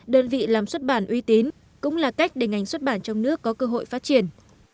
đơn vị làm xuất bản uy tín cũng là cách để ngành xuất bản trong nước có cơ hội phát triển